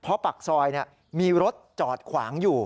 เพราะปากซอยมีรถจอดขวางอยู่